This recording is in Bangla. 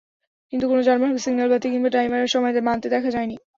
কিন্তু কোনো যানবাহনকে সিগন্যাল বাতি কিংবা টাইমারের সময় মানতে দেখা যায়নি।